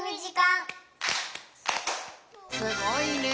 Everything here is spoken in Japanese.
すごいね！